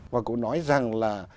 và cũng nói rằng là